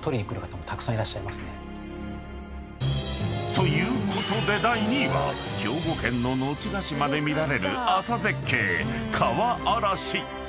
［ということで第２位は兵庫県の後ヶ島で見られる朝絶景川あらし］